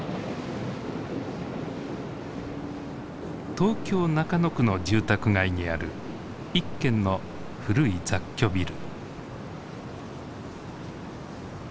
東京・中野区の住宅街にある一軒の古い雑居ビル。